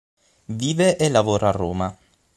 Vive e lavora a Roma.